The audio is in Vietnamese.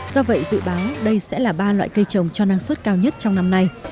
do vậy dự báo đây sẽ là ba loại cây trồng cho năng suất cao nhất trong năm nay